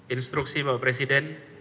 instruksi bapak presiden